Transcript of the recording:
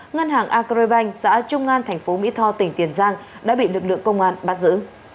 ngân hàng agribank xã trung an thành phố mỹ tho tỉnh tiền giang đã bị lực lượng công an bắt giữ